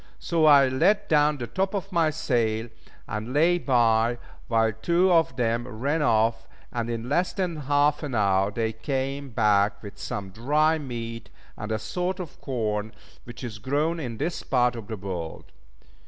So I let down the top of my sail, and lay by, while two of them ran off; and in less than half an hour they came back with some dry meat and a sort of corn which is grown in this part of the world.